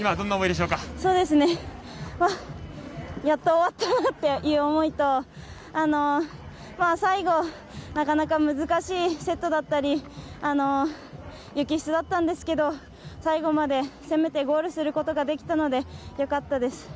やっと終わったなという思いと最後、なかなか難しいセットだったり雪質だったんですけど最後まで攻めてゴールすることができたのでよかったです。